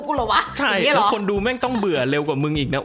เหรอวะใช่แล้วคนดูแม่งต้องเบื่อเร็วกว่ามึงอีกนะ